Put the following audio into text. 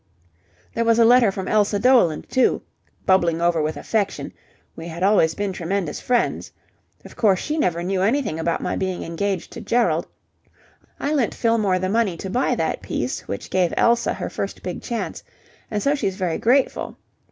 "There was a letter from Elsa Doland, too. Bubbling over with affection. We had always been tremendous friends. Of course, she never knew anything about my being engaged to Gerald. I lent Fillmore the money to buy that piece, which gave Elsa her first big chance, and so she's very grateful.